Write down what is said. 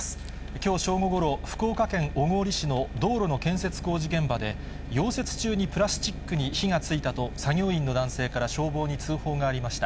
きょう正午ごろ、福岡県小郡市の道路の建設工事現場で、溶接中にプラスチックに火がついたと、作業員の男性から消防に通報がありました。